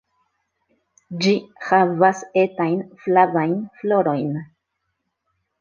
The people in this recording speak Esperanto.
Ĝi havas etajn flavajn florojn.